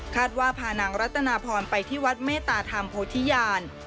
ว่าพานางรัตนาพรไปที่วัดเมตตาธรรมโพธิญาณ